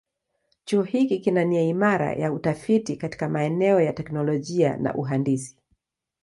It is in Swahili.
Chuo hiki kina nia imara ya utafiti katika maeneo ya teknolojia na uhandisi.